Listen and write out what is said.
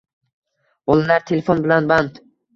Bolar telefon bilan band